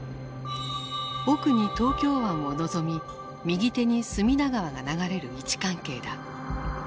奥に東京湾をのぞみ右手に隅田川が流れる位置関係だ。